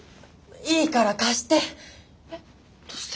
いいから貸して！